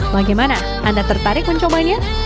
bagaimana anda tertarik mencobanya